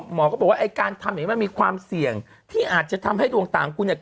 หมอก็บอกว่าไอ้การทำอย่างนี้มันมีความเสี่ยงที่อาจจะทำให้ดวงตาของคุณเนี่ย